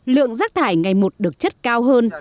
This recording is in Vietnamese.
lượng rác thải ngày một được chất cao hơn